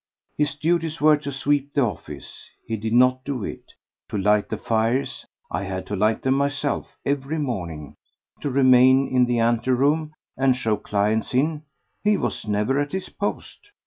His duties were to sweep the office—he did not do it; to light the fires—I had to light them myself every morning; to remain in the anteroom and show clients in—he was never at his post.